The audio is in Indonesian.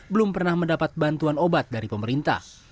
belum pernah mendapat bantuan obat dari pemerintah